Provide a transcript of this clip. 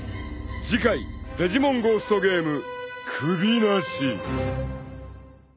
［次回『デジモンゴーストゲーム』］